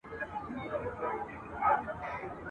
د عاید سرچینې باید په کورنیو کي زیاتي سي.